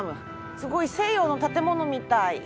すごい西洋の建物みたい。